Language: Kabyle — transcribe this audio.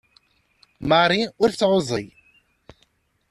Marie ur tesɛuẓẓeg.